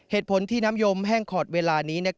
เหตุผลที่น้ำยมแห้งขอดเวลานี้